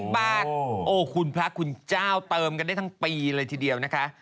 บาทโอ้คุณพระคุณเจ้าเติมกันได้ทั้งปีเลยทีเดียวนะคะ